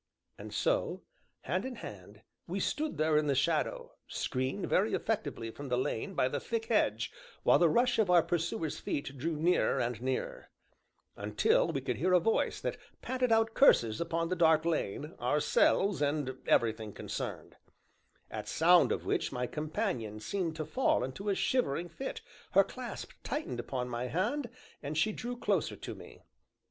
And so, hand in hand, we stood there in the shadow, screened very effectively from the lane by the thick hedge, while the rush of our pursuers' feet drew nearer and nearer; until we could hear a voice that panted out curses upon the dark lane, ourselves, and everything concerned; at sound of which my companion seemed to fall into a shivering fit, her clasp tightened upon my hand, and she drew closer to me.